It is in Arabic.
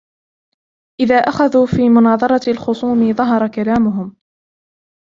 إذَا أَخَذُوا فِي مُنَاظَرَةِ الْخُصُومِ ظَهَرَ كَلَامُهُمْ